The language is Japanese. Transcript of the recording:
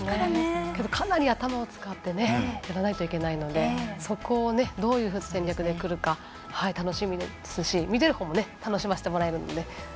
だけど、かなり頭を使ってやらないといけないのでそこをどういう戦略でくるか楽しみですし見てるほうも楽しませてもらいます。